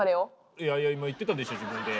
いやいや今言ってたでしょ自分で。